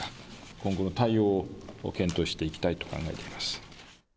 今後の対応を検討していきたいと考えています。